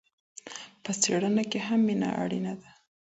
په څېړنه کي هم مینه اړینه ده.